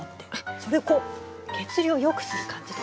それをこう血流をよくする感じで。